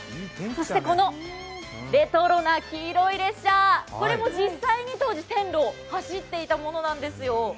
そしてこのレトロな黄色い列車、これも実際に当時、線路を走っていたものなんですよ。